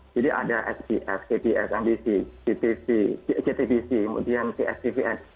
jadi ada sbs kbs nbc ctvc kemudian cstvn